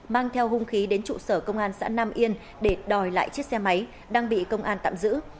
mang theo hung khí đến trụ sở công an xã nam yên để đòi lại chiếc xe máy đang bị công an tạm giữ